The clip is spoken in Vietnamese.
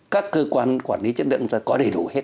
các cơ quan quản lý chất lượng sẽ có đầy đủ hết